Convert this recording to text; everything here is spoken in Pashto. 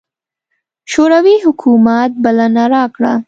شوروي حکومت بلنه راکړه.